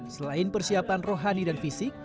selain persiapan rohani dan fisik